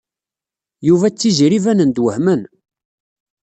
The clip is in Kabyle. Yuba d Tiziri banen-d wehmen.